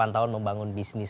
delapan tahun membangun bisnis